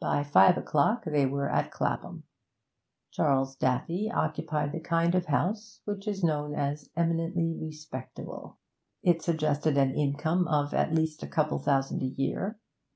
By five o'clock they were at Clapham. Charles Daffy occupied the kind of house which is known as eminently respectable; it suggested an income of at least a couple of thousand a year.